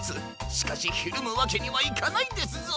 しかしひるむわけにはいかないですぞ。